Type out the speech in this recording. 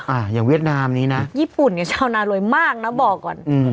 อ่าอย่างเวียดนามนี้นะญี่ปุ่นเนี่ยชาวนารวยมากนะบอกก่อนอืม